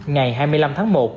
ngày hai mươi năm tháng một